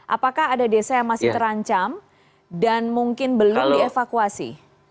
apakah ada desa yang masih terancam dan mungkin belum dievakuasi